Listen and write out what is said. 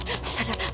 itu gak nyata